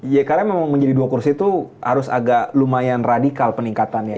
ya karena memang menjadi dua kursi itu harus agak lumayan radikal peningkatannya